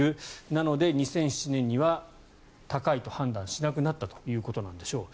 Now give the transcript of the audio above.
なので２００７年には高いと判断しなくなったということなんでしょう。